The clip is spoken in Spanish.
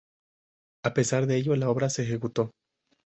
A pesar de ello, la obra se ejecutó.